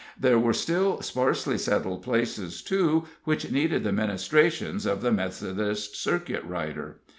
There were still sparsely settled places, too, which needed the ministrations of the Methodist circuit rider.